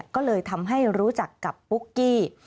ก็เลยทำให้รู้จักกับปุ๊กกี้